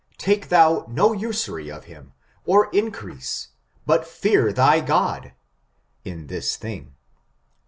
Take thou no usury of Aim, or increase, but fear thy God [in this thing]t